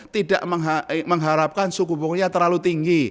tidak mengharapkan suku bunganya terlalu tinggi